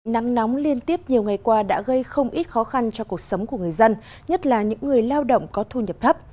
nắng nóng liên tiếp nhiều ngày qua đã gây không ít khó khăn cho cuộc sống của người dân nhất là những người lao động có thu nhập thấp